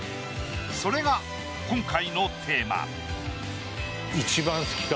それが今回のテーマ。